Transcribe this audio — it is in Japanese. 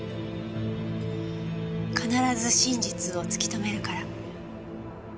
必ず真実を突き止めるから。